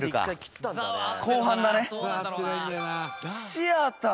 「シアター！